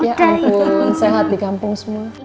ya ampun sehat di kampung semua